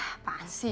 hah apaan sih